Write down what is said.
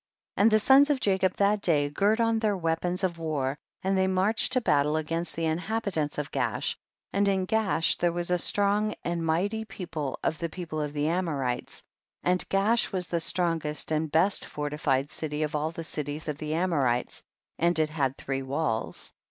15 And tiie sons of Jacob that day girt on their weapons of war, and they marched to battle against the inhabitants of Gaash, and in Gaash there was a strong and mighty peo ple of the people of the Amorites, and Gaash was the strongest and best fortified city of all the cities of the Amorites, and it had three walls.